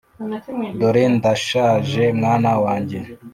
dore Ndashaje mwana wanjye